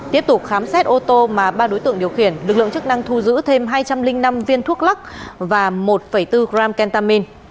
tiếp tục khám xét ô tô mà ba đối tượng điều khiển lực lượng chức năng thu giữ thêm hai trăm linh năm viên thuốc lắc và một bốn gram kentamin